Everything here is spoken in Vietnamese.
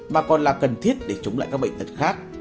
mà còn là cần thiết để chống lại các bệnh tật khác